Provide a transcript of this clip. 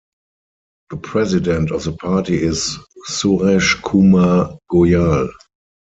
The president of the party is Suresh Kumar Goyal.